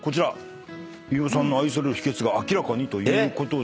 飯尾さんの愛される秘訣が明らかにということで。